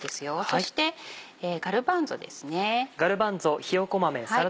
そしてガルバンゾですね。